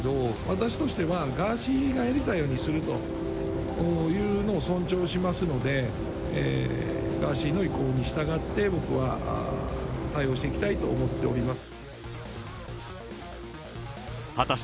私としては、ガーシーがやりたいようにするというのを尊重しますので、ガーシーの意向に従って僕は対応していきたいと思っております。